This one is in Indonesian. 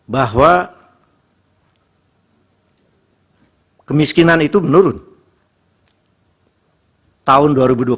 bahwa kemiskinan itu menurun tahun dua ribu dua puluh satu